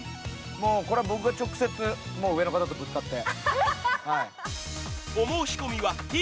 これは僕が直接、上の方とぶつかって。